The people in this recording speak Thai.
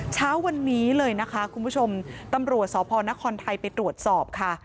เช้าวันนี้เลยนะคะคุณผู้ชมตำรวจสพนครไทยไปตรวจสอบค่ะ